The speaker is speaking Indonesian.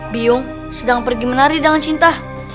biong sedang pergi menari dengan cinta